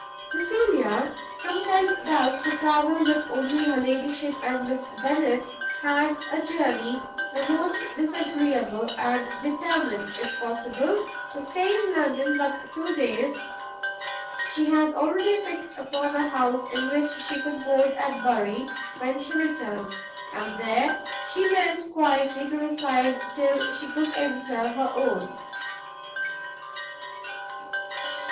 Cecilia, compelled thus to travel with only her Ladyship and Miss Bennet, had a journey the most disagreeable, and determined, if possible, to stay in London but two days. She had already fixed upon a house in which she could board at Bury when she returned, and there she meant quietly to reside till she could enter her own.